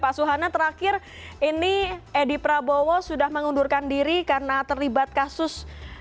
pak suhana terakhir ini edi prabowo sudah mengundurkan diri karena terlibat kasus